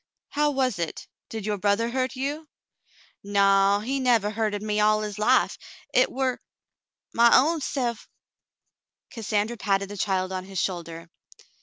"How was it } Did your brother hurt you }" "Naw. He nevah hurted me all his life. Hit — war my own se'f —" Cassandra patted the child on his shoulder.